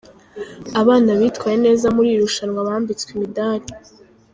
Abana bitwaye neza muri iri rushanwa bambitswe imidari.